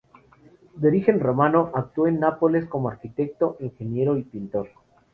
De origen romano, actuó en Nápoles como arquitecto, ingeniero y pintor.